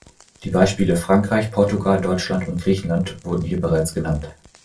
Die Beispiele Frankreich, Portugal, Deutschland und Griechenland wurden hier bereits genannt.